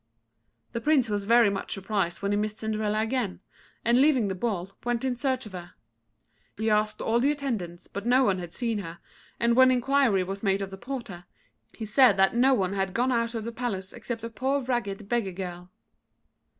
The Prince was very much surprised when he missed Cinderella again, and leaving the ball, went in search of her. He asked all the attendants, but no one had seen her, and when enquiry was made of the porter, he said that no one had gone out of the palace except a poor ragged beggar girl.